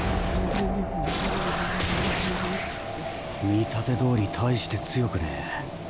見立てどおり大して強くねぇ。